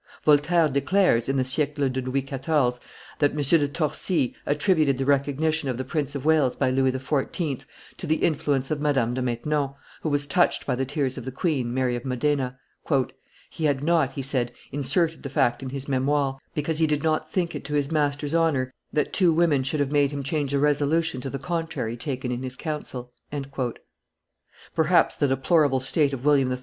Voltaire declares, in the "Siecle de Louis XIV.,_ that M. de Torcy attributed the recognition of the Prince of Wales by Louis XIV. to the influence of Madame de Maintenon, who was touched by the tears of the queen, Mary of Modena. "He had not," he said, "inserted the fact in his Memoires, because he did not think it to his master's honor that two women should have made him change a resolution to the contrary taken in his council." Perhaps the deplorable state of William III.